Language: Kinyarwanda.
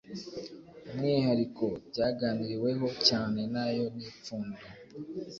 umwiharikobyaganiriweho cyane nayo ni ipfundo